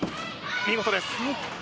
見事です。